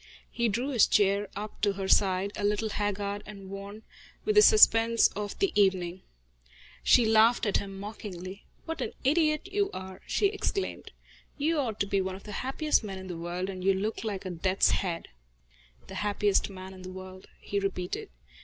He drew his chair up to her side, a little haggard and worn with the suspense of the evening. She laughed at him mockingly. "What an idiot you are!" she exclaimed. "You ought to be one of the happiest men in the world, and you look like a death's head." "The happiest man in the world," he repeated.